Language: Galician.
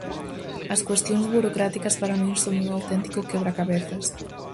As cuestións burocráticas para min son un auténtico quebracabezas.